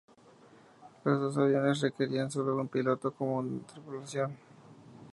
Los dos aviones requerían sólo un piloto como tripulación.